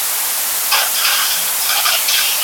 انسانان په ګډه ژوند کوي.